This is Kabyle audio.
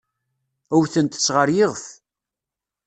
Wtent-tt ɣer yiɣef.